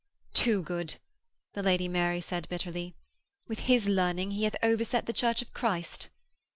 'Too good!' the Lady Mary said bitterly. 'With his learning he hath overset the Church of Christ.'